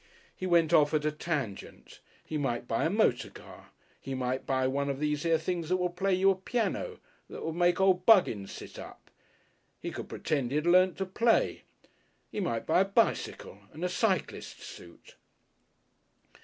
He went off at a tangent. He might buy a motor car, he might buy one of these here things that will play you a piano that would make old Buggins sit up! He could pretend he had learnt to play he might buy a bicycle and a cyclist suit....